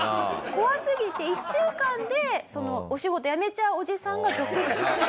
怖すぎて１週間でお仕事辞めちゃうおじさんが続出すると。